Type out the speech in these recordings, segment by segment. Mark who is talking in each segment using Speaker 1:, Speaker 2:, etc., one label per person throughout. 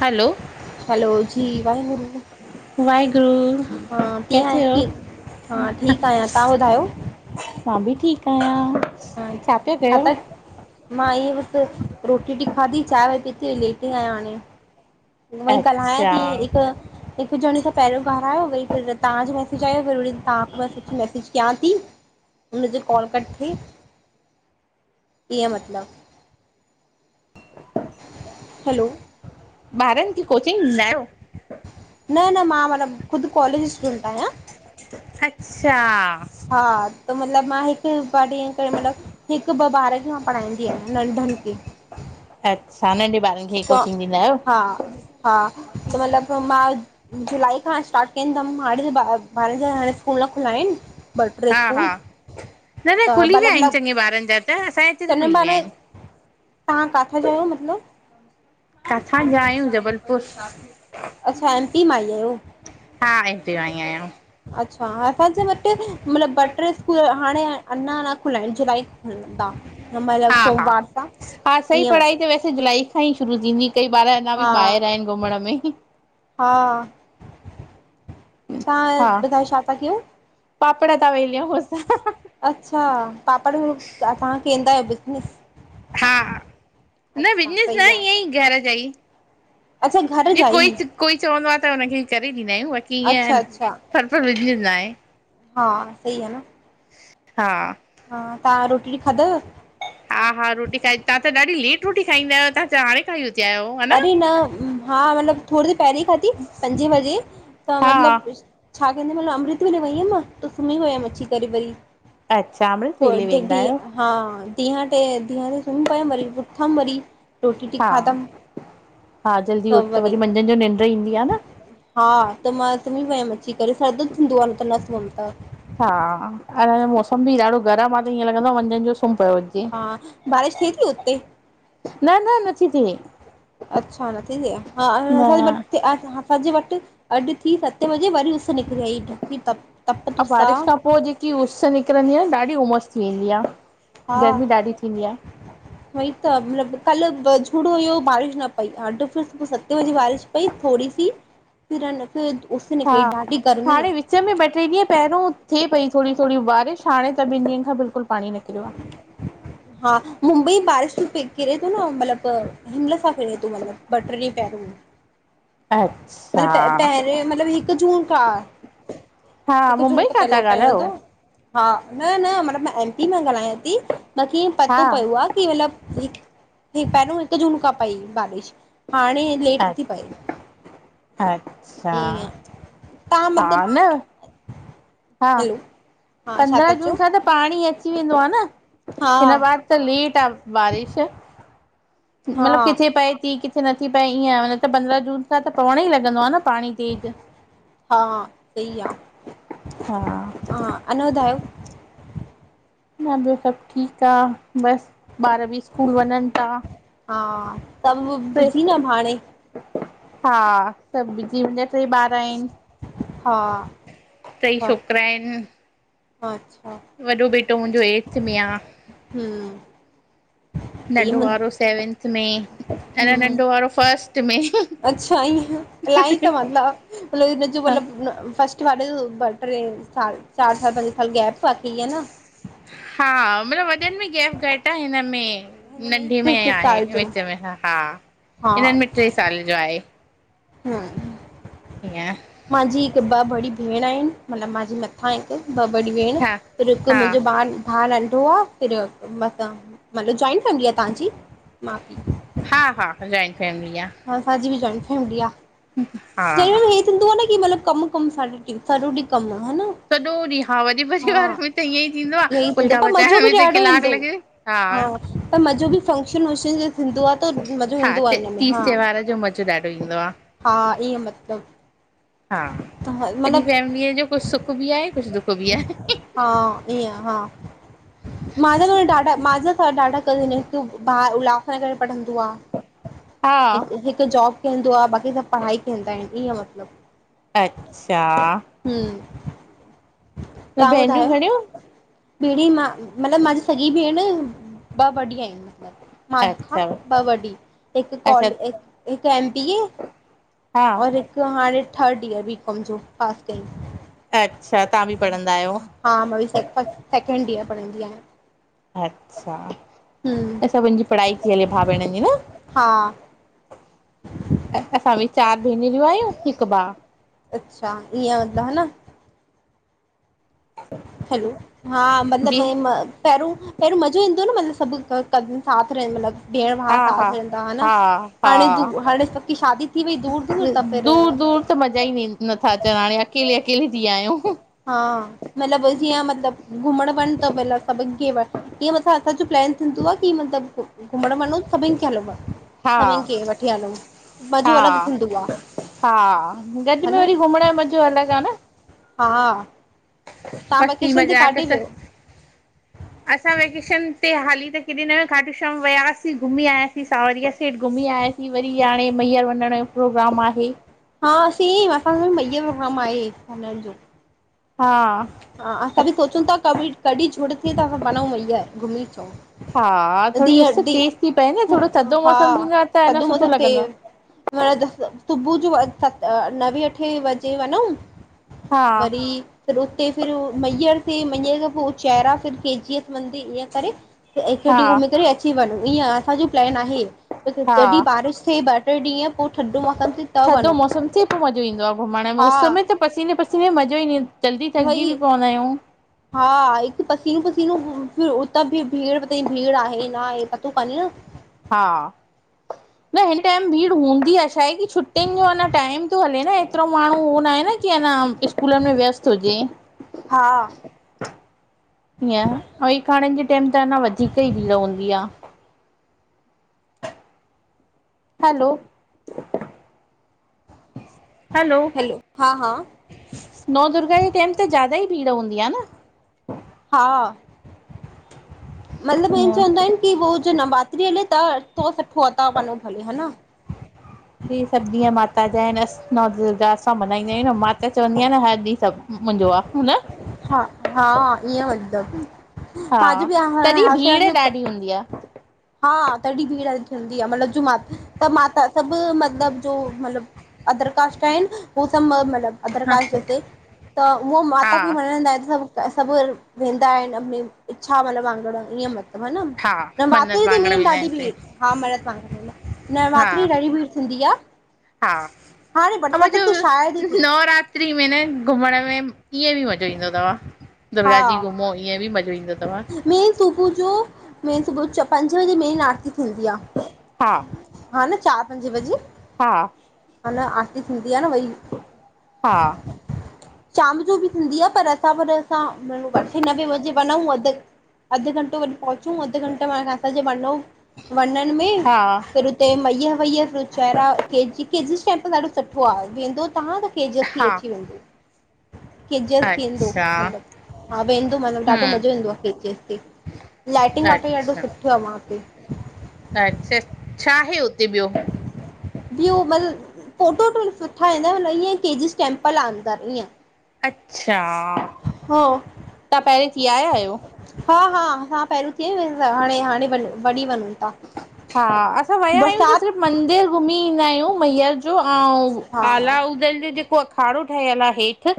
Speaker 1: हलो
Speaker 2: हलो जी वाहेगुरु।
Speaker 1: वाहेगुरु
Speaker 2: हा कीअं आहियो
Speaker 1: कैसे हो?
Speaker 2: की हा ठीकु आहियां तव्हां ॿुधायो
Speaker 1: मां बि ठीक [inaudible]
Speaker 2: छा ता कयो? मां इयई बस रोटी खाधी चाए वाए पिती लेटि आहियां हाणे। ऊहोई ॻाल्हायां
Speaker 1: अच्छा
Speaker 2: ती। हिकु--हिकु ॼणी सां पहिरियों घलायो वेही करे तहांजो। मैसज कयां। [inaudible] कीअं मतलब? हैलो।
Speaker 1: ॿारनि खे कोचिंग डिन्दा आयो।
Speaker 2: न न मां मतलब खुद कॉलेज स्टूडेंट आहियां।
Speaker 1: छा।
Speaker 2: हा त मतलब मां, हिकु ॿ ॾींहं करे मतलब हिकु ॿ ॿार खे। पढ़ाईंदी आहियां नंठन खें।
Speaker 1: [inaudible]
Speaker 2: त
Speaker 1: ॾींदा आहियो?
Speaker 2: हा हा त मतलब मां। जुलाई खां स्टार्ट केदम, हाणे बारन जा स्कूल न खुलया आहिन। ॿ ट्रे स्कूल।
Speaker 1: न-न
Speaker 2: त
Speaker 1: खुली विया
Speaker 2: मतिलबु
Speaker 1: आहिन।
Speaker 2: ल
Speaker 1: चंगे ॿारनि जा त असांजे हिते त
Speaker 2: चङनि
Speaker 1: खुली विया
Speaker 2: ॿारनि
Speaker 1: आहिन।
Speaker 2: तव्हां काथा जा आयो मतलब?
Speaker 1: काथां जा आयूं जबलपुर।
Speaker 2: अच्छा एमपी मां ही आयो।
Speaker 1: हा हिते आई आहियां
Speaker 2: अच्छा, असांजे वट मतलब ॿ ट्रे स्कूल हाणे अञा न खुल्या आहिन जुलाई
Speaker 1: हा हा
Speaker 2: सोमवार सां।
Speaker 1: हा सही पढ़ाई त वैसे जुलाई खां ई शुरू थींदी कई ॿार अञा बि
Speaker 2: हा
Speaker 1: ॿाहिरि आहिनि घुमण में।
Speaker 2: हा तव्हां
Speaker 1: हा
Speaker 2: ॿुधायो छा था कयो?
Speaker 1: पापड़ ता वेल्यूं असां।
Speaker 2: अच्छा पापड़ तव्हां केंदा आयो बिजनिस?
Speaker 1: हा, न बिजनिस न
Speaker 2: सही आहे
Speaker 1: इयई घर जा ई।
Speaker 2: अच्छा घर
Speaker 1: जीअ
Speaker 2: जा
Speaker 1: कोई
Speaker 2: ई
Speaker 1: कोई चवंदोआ त् हुनखे करे ॾींदा आहियूं बाक़ी
Speaker 2: अच्छा
Speaker 1: ईअं। पर वझ न आहे
Speaker 2: हां सहि आ न।
Speaker 1: हाँ।
Speaker 2: हां तहां रोटी ख़ादव?
Speaker 1: हा हा रोटी खाई तव्हां त ॾाढी लेट रोटी खाईंदा आहियो तव्हां हाणे खाई। उथिया आहियो हा
Speaker 2: अरे न हा मतलब थोरी देर पेहरे हि खादी पंजे वगे त्
Speaker 1: हा
Speaker 2: मतलब। अमृत वेले वई हूयम त सुमि वयम अची करे वरी।
Speaker 1: अच्छा अमृत वेले
Speaker 2: [inaudible] टे
Speaker 1: वेंदा आहियो
Speaker 2: धीअं ते सुम् पयम वरी उथम वरी रोटी वाटि
Speaker 1: हा
Speaker 2: खाधम।
Speaker 1: हा जल्दी
Speaker 2: त
Speaker 1: उठ वरी मंझंदि जो निंड ईंदी आहे न
Speaker 2: वरी--हा त मां। [inaudible] सुम पयंम अची करे। सर दुखंदो न सुम त्।
Speaker 1: हा [unintelligible] मौसम बि ॾाढो गरम आह। हिय लगंदो आ मन्झ्न जो सुम पो अची।
Speaker 2: हा बारिश थिए थी हुते?
Speaker 1: न-न नथी थिए।
Speaker 2: अछा नथी थे। हां
Speaker 1: न
Speaker 2: असांजे वट अज थी सते वजे।
Speaker 1: अऊ
Speaker 2: तुस आ
Speaker 1: बारिश खां पोइ जेकी उस निकरंदी आहे न ॾाढी ओमस। ऑस्ट्रेलिया
Speaker 2: हा वई त मतिलब। कल्ह झुड़ हुयो बारिश न पई ह सुबुह सते बजे बारिश पई थोरी सी। फिर न फिर उस
Speaker 1: हा
Speaker 2: निकिरी ॾाढी गर्मी आ
Speaker 1: हाणे विच में ॿ ट्रे ॾींहं पहरों थे पई। थोरी थोरी बारिश हाणे टा बिन डीयण खा बिलकुल बंद।
Speaker 2: हा मुंबई बारिश पयी किरे। मतलबु हिमल सां फिरे थो मतिलबु ॿ ट्रे ॾींहं पहरों।
Speaker 1: आ। अच्छा
Speaker 2: मतलब प पहिरें मतलब हिकु जून खां।
Speaker 1: हा
Speaker 2: हिकु जूँ
Speaker 1: मुंबई
Speaker 2: त
Speaker 1: खां था
Speaker 2: पहले पियो
Speaker 1: ॻाल्हायो?
Speaker 2: हूंदो हा न न मतिलब मां एम पी मां ॻाल्हायां थी। मुखे ई
Speaker 1: हा
Speaker 2: पतो पियो आहे की मतिलबु हिकु। पहिरियों हिकु जून खां पई बारिश हाणे लेट
Speaker 1: अ
Speaker 2: थी पए।
Speaker 1: अच्छा
Speaker 2: ईअं तव्हां
Speaker 1: हा
Speaker 2: मतिलबु
Speaker 1: न हा
Speaker 2: हैलो हा छा था
Speaker 1: पंद्रहं जून
Speaker 2: चओ
Speaker 1: खां त पाणी अची वेंदो आहे न।
Speaker 2: हा
Speaker 1: हिन बार त लेट आहे बारिश
Speaker 2: हा
Speaker 1: मतिलब किथे पए थी। किथे हिते नथी पए ईंय नत पद्रहं जून त पवण ई लॻंदो आ न। पाणी तेज
Speaker 2: हा सही आ।
Speaker 1: हा न
Speaker 2: हा, अञां वधायो
Speaker 1: न ॿियो सभ ठीक आ बस। ॿार भी स्कूल वञनी ता।
Speaker 2: हा तव्हां
Speaker 1: पि
Speaker 2: बिज़ी न हाणे
Speaker 1: हा, सब बिज़ी उन ते ॿार
Speaker 2: हा
Speaker 1: आहिनि। टई छोकिरा आहिन।
Speaker 2: मार्च।
Speaker 1: वॾो बेटो मुहिंजो एटिथि में आ।
Speaker 2: हम्म त इहे
Speaker 1: नंढो
Speaker 2: मुं
Speaker 1: वारो सैविंथ में अंञां
Speaker 2: हम्म
Speaker 1: नंढो वारो फस्ट मे।
Speaker 2: अच्छा ईयं, अलाई तव अला मतिलब हिन जो मतिलब फस्ट। [unintelligible] [unintelligible] ब टे साल चार साल पंज साल गैप ई आहे न।
Speaker 1: हा मतिलब वॾनि में गैप घटि आ हिनमें
Speaker 2: हिन
Speaker 1: नंढे
Speaker 2: हिकु
Speaker 1: में
Speaker 2: हिकु
Speaker 1: आहे
Speaker 2: साल जो
Speaker 1: विच में हा, हिनन में टे साल जो आहे।
Speaker 2: ह,
Speaker 1: ईअं
Speaker 2: मांजी हिकु ॿ ॿुड़ी। भेण आहिन मतलब मांजी मथां हिकु ॿ वॾी भेण
Speaker 1: हा
Speaker 2: पर हिकु
Speaker 1: हा
Speaker 2: मुहिंजो भा भा नंद रोहा फिरो मता मलोचाइन। [unintelligible] चंगी आ तांजी, माफी।
Speaker 1: हा हा जॉइंट फैमिली आ
Speaker 2: अंसाजी भी घणी फैमिली आ।
Speaker 1: हा
Speaker 2: ज हिय थींदो तो आ न मतलब कम कम सॾो ॾीं कम आ।
Speaker 1: सॼो ॾींहुं, हा वरी परिवार में त ईय थींदो आहे
Speaker 2: इहो ई थींदो
Speaker 1: फुलका
Speaker 2: पर
Speaker 1: पचाइण
Speaker 2: मज़ो
Speaker 1: में
Speaker 2: बि
Speaker 1: त
Speaker 2: ॾाढो
Speaker 1: कलाक
Speaker 2: ईंदो
Speaker 1: लॻ
Speaker 2: हा पर मजो भी फंक्शन वंक्शन जो थींदो आ त मज़ो
Speaker 1: हा
Speaker 2: ईंदो आ हिन में,
Speaker 1: तीज
Speaker 2: हा,
Speaker 1: त्योहार जो मज़ो ॾाढो ईंदो आ
Speaker 2: हा। ईय मतिलब
Speaker 1: हा
Speaker 2: तां
Speaker 1: सॼी
Speaker 2: मतिलब।
Speaker 1: फैमिलीअ जो कुझु सुख बि आहे कुझु दुख बि आहे
Speaker 2: हा ईंयं हा। मा ॾाढाजा ॾाढा करे आहे तूं बा उ [unintelligible] हिनजे करे पढ़ंदो आ,
Speaker 1: हा
Speaker 2: हिकु जॉब कंदो आ, बाकी सभ पढ़ाई ऐं हिंअं मतिलब
Speaker 1: अच्छा। त भेनरिंयू घणियूं?
Speaker 2: पहिरीं मां, मतिलबु मां जी सॻी भेण ॿ वॾी आहिन। माखां
Speaker 1: अच्छा
Speaker 2: ॿ वॾी, हिकु
Speaker 1: अच्छा
Speaker 2: कौल हिकु एम बी ए।
Speaker 1: हा
Speaker 2: और हिकु हाणे थर्ड इयर बी कॉम जो पास कयई।
Speaker 1: अच्छा तव्हां बि पढ़ंदा आहियो
Speaker 2: [unintelligible] सेकेंडियर पढ़ंदी आहियां।
Speaker 1: अच्छा
Speaker 2: हम्म
Speaker 1: अच्छा, सभिन जी पढ़ाई थी वइ भाउ भेण जी न?
Speaker 2: हा
Speaker 1: अ असां भी चार भेनरियूं आयूं हिकु भा।
Speaker 2: अच्छा ईअं मतिलबु है न। हैलो, हा
Speaker 1: जी
Speaker 2: मतलबु पैहरों पैहरों मज़ो ईंदो न सभु साथ रह मतिलबु। भेण भा
Speaker 1: हा
Speaker 2: साथ
Speaker 1: हा
Speaker 2: वेंदा
Speaker 1: हा हा
Speaker 2: हाणे सभ की शादी थी वई दूर दूर त फिर।
Speaker 1: दूर मज़ा ई नथा अचनि हाणे अकेले अकेले थी आहियूं
Speaker 2: हा मतिलब जीअं मतलब घुमण वन त सभनि खे वठी मांथा। थींदो आह कि मत्लबु घुमण वया। वञो सभिनि खे हलणो
Speaker 1: हा
Speaker 2: सभिनि खे वठी हलण मज़ो अलॻि
Speaker 1: हा
Speaker 2: थींदो आह।
Speaker 1: हा गॾ में वरी घुमण जो मज़ो अलॻि आह न।
Speaker 2: हा तव्हां
Speaker 1: मस्ती
Speaker 2: वेकेशन ते
Speaker 1: मज़ाक
Speaker 2: काॾे
Speaker 1: त
Speaker 2: वियो?
Speaker 1: असां वेहि। हाली त किॾे न खाटू शयाम वियासीं घुमी आयासीं सावरिया सेठ घुमी आयासीं वरी। हाणे मैयर वञण जो प्रोग्राम आहे।
Speaker 2: हा असीं असांजो मैई मे पोग्राम आहे हुन जो।
Speaker 1: हा
Speaker 2: हा असां बि सोचूं था कड- कॾहिं छोड ठीकु आ् वञऊूं भैया घुमी अचूं।
Speaker 1: हा थोरी उस तेज़ थी पए न
Speaker 2: ॾ
Speaker 1: थोरो थधो
Speaker 2: हा
Speaker 1: मौसम थींदो आहे त अञा
Speaker 2: कध
Speaker 1: सुठो
Speaker 2: मदन ते
Speaker 1: लॻंदो आहे
Speaker 2: डिसु सुबुह जो नवे अठे बजे वञऊ।
Speaker 1: हा
Speaker 2: वरी फिर उते फिर मैहर ते मैहर पोइ चेरा फ़िर केजी मंदी ईअं करे हिकु
Speaker 1: हा
Speaker 2: ॾीहुं निकरी करे अची वञ। ईअं असांजो प्लैन आहे
Speaker 1: हा
Speaker 2: जॾहि बारिश थिए ॿ टे ॾीहं पोइ ठडो मौसम थे त
Speaker 1: थधो
Speaker 2: वञो।
Speaker 1: मौसम पोइ मज़ो ईंदो आहे घुमण में उस में त पसीने पसीने मज़ो ईं न इंदो।
Speaker 2: भई हा हिकु पसीनो पसीनो, त भी भीड़ पए त भीड़ आहे न आहे त पतो काने न
Speaker 1: हा, न हिन टाइम भीड़ हूंदी आहे छा आहे कि छुटियुनि जो टाइम थो हले हेएतिरो माण्हू आहे। की न स्कूलनि में वियस्त हुजे
Speaker 2: हा
Speaker 1: हिअं एकाणन जे टेम त अञा वधीक ई भीड़ हूंदी आहे। हलो,
Speaker 2: हलो हा हा,
Speaker 1: नौ दुुर्गा जे टाइम त ज़्यादा ई भीड़ हूंदी आहे न।
Speaker 2: मतलबु
Speaker 1: न
Speaker 2: चवंदा आहिनि कि उ जो नवरात्रि हले त सुठो भले वञो। ह [inaudible]
Speaker 1: हि सभु ॾींहं माता जा आहिनि नव दुर्गा असां मल्हाईंदा आहियूं न माता चवंदी आहियां हर ॾींहुं सभु मुंहिंजो आहे। न
Speaker 2: हा हा ईअं वेंदम।
Speaker 1: हा
Speaker 2: बजू बि आहार
Speaker 1: तॾहिं भीड़
Speaker 2: ह
Speaker 1: ॾाढी हूंदी आहे
Speaker 2: हा तॾहिं भीड़ हूंदी आहे मतलबु, त मा त सबु मतलबु जो म अदर कास्ट आहिन। हो सबु मतलब अदर
Speaker 1: हा
Speaker 2: कास्ट हिते त उहो
Speaker 1: हा
Speaker 2: माता खे मञंदा आहिन छा। त सभु वेंदा आहिन इच्छा मतलब वांगुर ईअं
Speaker 1: हा
Speaker 2: न भाभी
Speaker 1: मन्नत
Speaker 2: हुते
Speaker 1: मांगण
Speaker 2: मेन
Speaker 1: वेंदा
Speaker 2: ॾाढी
Speaker 1: आहिनि
Speaker 2: भीड़
Speaker 1: हिते
Speaker 2: शाम मल खां न
Speaker 1: हा
Speaker 2: रात्री ॾाढी भीड़ थींदी आह।
Speaker 1: हा, ऐं
Speaker 2: शायदि ई
Speaker 1: मतलबू
Speaker 2: थिए
Speaker 1: नवरात्री में न घुमण में ईअं बि मज़ो ईंदो तव।
Speaker 2: हा
Speaker 1: दुर्गा जी घुमो ईअं बि मज़ो ईंदो तव्
Speaker 2: मेन सुबुह जो पंजे बजे मेन रात। थींदी आह।
Speaker 1: हा
Speaker 2: हा न चार पंजे बजे।
Speaker 1: हा,
Speaker 2: अञा आरती थींदी आहे न भई।
Speaker 1: हा
Speaker 2: शाम जो बि थींदी आहे पर असां पर असां अठे नवे बजे वञूं। अधु अधु घंटो वरी पहुचूं अधु घंटे असांजे वंञउ में।
Speaker 1: हा
Speaker 2: फिर हुते मैहर वयी जी तेम्पल ॾाढो सुठो आहे वेंदो तव्हां त। के
Speaker 1: हा अच्छा
Speaker 2: हा वेंदो मतलबु ॾाढो मज़ो
Speaker 1: हम्म
Speaker 2: ईंदो आहे जी एस लाइटिंग वाटि ॾाढो
Speaker 1: अच्छा
Speaker 2: सुठो आहे मां
Speaker 1: अच्छा छा आहे उते?
Speaker 2: मत फोटो। सुठा ईंदा मतु ईकेजिस टेंमपल आ अंदर ईअं।
Speaker 1: अच्छा
Speaker 2: हो
Speaker 1: तव्हां पहिरीं थी आया आहियो?
Speaker 2: हा हा हा पहरो। कीअं व हाणे हाणे वञो
Speaker 1: हा असां विया आहियूं त सिर्फ़ु मंदर घुमी ईंदा आहियूं मैयर जो। ऐं
Speaker 2: हा
Speaker 1: आला उदल जो जेको अखाड़ो ठहियलु आहे हेठि।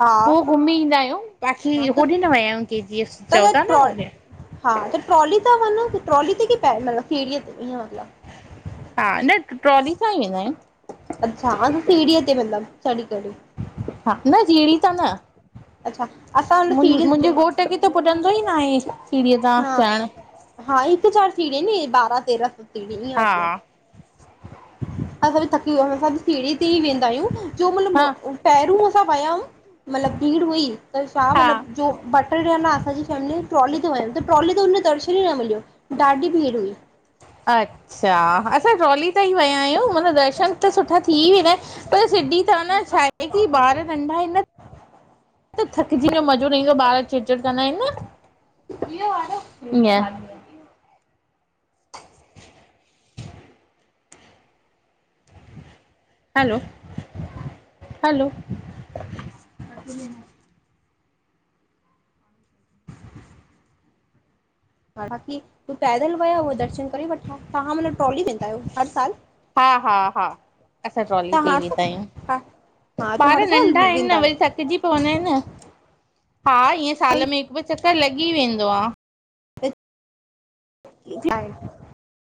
Speaker 2: हा
Speaker 1: पोइ घुमी ईंदा आहियूं बाक़ी होॾे न विया आहियूं केजेस
Speaker 2: त
Speaker 1: चओ था
Speaker 2: ट्रॉ
Speaker 1: न
Speaker 2: हा त ट्रोली त वन ट्रोली ते के पैदल सीड़या ते। मतिलबु
Speaker 1: हा न ट्रॉली सां ई वेंदा आहियूं।
Speaker 2: अच्छा ह सीड़या ते मतिलब चड़ी करे।
Speaker 1: हा न सीरही त।
Speaker 2: अच्छा असां हुन सीढ़ी
Speaker 1: मुंहिंजे घोट खे त पुॼंदो ई न आहे सीड़ीअ सां
Speaker 2: हा
Speaker 1: च़रण।
Speaker 2: हा हिकु हज़ार सीड़ीन हिय न बारह तेरह सौ सीड़े ई आहे
Speaker 1: हा
Speaker 2: मतलब। असां बि थकी अस सीड़े ते ई वेंदा आहियूं। जो
Speaker 1: हा
Speaker 2: मतलबु पैहरोन असां वियायूं मतलबु भीड़ हुई त छा
Speaker 1: हा
Speaker 2: मतलबु जो बट न असांजी फैमिली ट्रॉली ते वमि त ट्रॉली ते दर्शन ई न मिलियो। ॾाढी भीड़ हुई
Speaker 1: अच्छा असां ट्रोली त ई वयाय। आहियूं मतब दर्शन त सुठा थी वेंदा आहिनि पर सिधी त न छाहे की ॿार नंढा आहिनि न। त थकिजी में मज़ो न ईंदो ॿार चिड़चिड़ कंदा आहिनि न? इअं। हैलो हैलो अ [unintelligible]
Speaker 2: ह तूं पैदल वया हु दर्शन। वठां तव्हां माना ट्रोली वेंदा आहियो हर साल?
Speaker 1: हा हा हा असां ट्रॉली ते
Speaker 2: तव्हां
Speaker 1: ही
Speaker 2: हर
Speaker 1: वेंदा
Speaker 2: साल हा
Speaker 1: आहियूं।
Speaker 2: हा तूं
Speaker 1: ॿार
Speaker 2: हर साल
Speaker 1: नंढा आहिनि
Speaker 2: वेंदा
Speaker 1: न
Speaker 2: आहियो
Speaker 1: वरी थकिजी पवंदा आहिनि हा ईअं साल में हिकु। चकर लॻी वेंदो आहे।
Speaker 2: [unintelligible]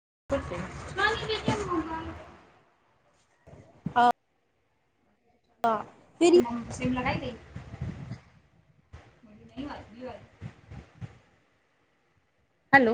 Speaker 1: [unintelligible]
Speaker 2: हा फिर
Speaker 1: सिम लॻाई? [unintelligible] हैलो